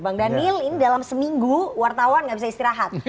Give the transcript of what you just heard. bang daniel ini dalam seminggu wartawan gak bisa istirahat